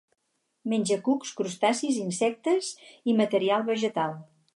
Menja cucs, crustacis, insectes i matèria vegetal.